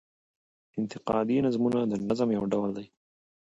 انتقادي نظمونه د نظم يو ډول دﺉ.